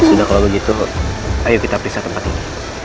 ya sudah kalau begitu ayo kita pulih ke tempat ini